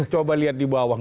coba lihat di bawah